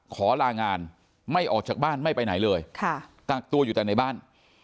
ขอลางานไม่ออกจากบ้านไม่ไปไหนเลยกักตัวอยู่แต่ในบ้าน